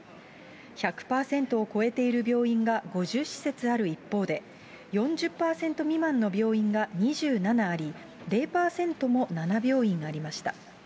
１００％を超えている病院が５０施設ある一方で、４０％未満の病院が２７あり、０％も７病院ありました。